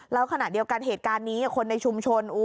แล้วขณะเดียวกันเหตุการณ์นี้คนในชุมชน